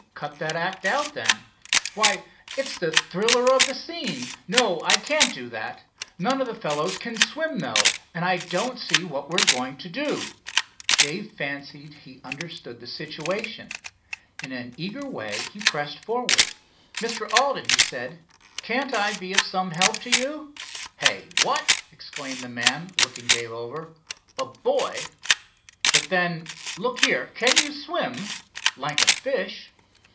"Cut that act out, then." "Why, it's the thriller of the scene. No, I can't do that. None of the fellows can swim, though, and I don't see what we are going to do." Dave fancied he understood the situation. In an eager way he pressed forward. "Mr. Alden," he said, "can't I be of some help to you?" "Hey, what?" exclaimed the man, looking Dave over. "A boy? But then—look here, can you swim?" "Like a fish."